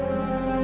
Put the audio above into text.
aku mau jalan